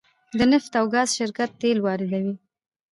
د نفت او ګاز شرکت تیل واردوي